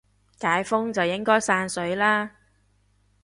解封就應該散水啦